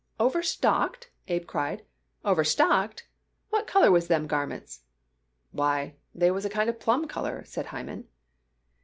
"Overstocked?" Abe cried. "Overstocked? What color was them garments?" "Why, they was a kind of plum color," said Hyman.